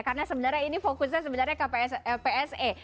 karena sebenarnya ini fokusnya sebenarnya ke psa